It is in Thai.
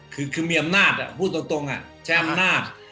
คือมีอำนาจพูดตรงใช้อำนาจ